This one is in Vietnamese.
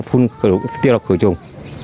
phun tiêu độc khử trùng